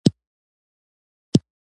دا د شرقي نړۍ له مصیبتونو څخه دی.